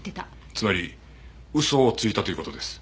つまり嘘をついたという事です。